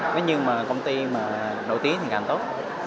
nói như mà công ty đầu tiên thì càng tốt